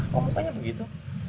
kamu mukanya begitu